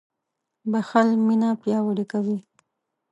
• بښل مینه پیاوړې کوي.